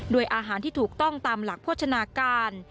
อาหารที่ถูกต้องตามหลักโภชนาการ